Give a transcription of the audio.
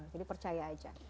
jadi percaya aja